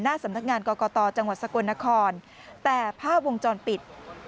สำนักงานกรกตจังหวัดสกลนครแต่ภาพวงจรปิด